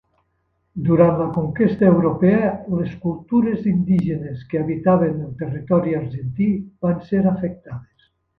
Durant la conquesta europea, les cultures indígenes que habitaven el territori argentí van ser afectades.